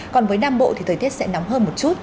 còn với nam bộ thì thời tiết sẽ nóng hơn một chút